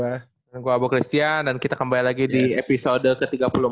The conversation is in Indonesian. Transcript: dan gue abok hristian dan kita kembali lagi di episode ke tiga puluh empat